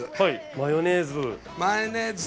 マヨネーズ。